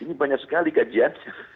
ini banyak sekali kajian